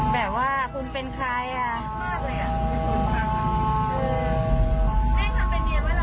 แบบว่าคุณเป็นใครอ่ะ